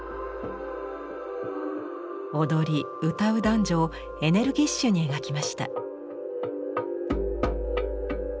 踊り歌う男女をエネルギッシュに描きました。